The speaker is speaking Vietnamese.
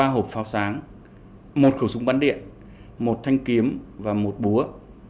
ba hộp pháo sáng một khẩu súng bắn điện một thanh kiếm và một búa